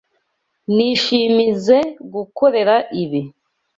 Nishimizoe kugukorera ibi.